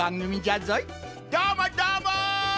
どーもどーも！